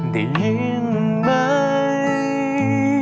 ได้ยินไหม